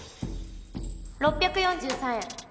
６４３円。